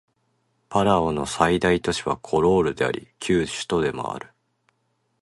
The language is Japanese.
パラオの最大都市はコロールであり旧首都でもある